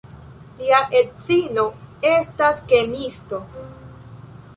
Lia edzino estas kemiisto.